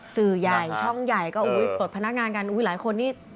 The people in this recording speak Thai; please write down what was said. สื่อใหญ่ช่องใหญ่ก็ปลดพนักงานกันอุ้ยหลายคนนี่